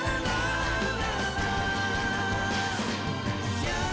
kok lu ga bawa tisu